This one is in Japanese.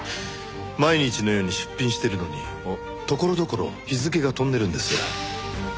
毎日のように出品してるのにところどころ日付が飛んでるんです。